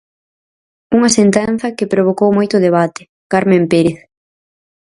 Unha sentenza que provocou moito debate, Carmen Pérez.